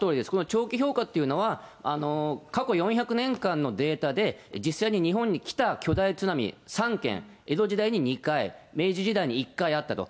長期評価っていうのは、過去４００年間のデータで、実際に日本に来た巨大津波、３件、江戸時代に２回、明治時代に１回あったと。